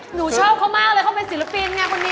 หนูชอบเขามากเลยเขาเป็นศิลปินไงคนนี้